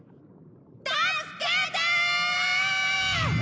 助けてー！